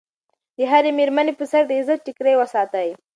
د هرې مېرمنې په سر د عزت ټیکری وساتئ.